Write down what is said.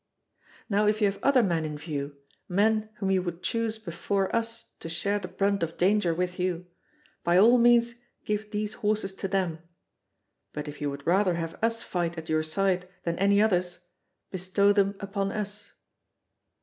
Now if you have other men in view, men whom you would choose before us to share the brunt of danger with you, by all means give these horses to them. But if you would rather have us fight at your side than any others, bestow them upon us.